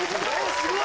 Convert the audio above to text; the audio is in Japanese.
・すごい！